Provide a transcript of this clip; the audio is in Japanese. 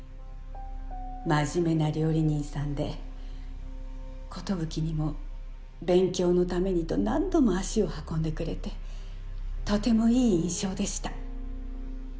真面目な料理人さんでコトブキにも勉強のためにと何度も足を運んでくれてとてもいい印象でした。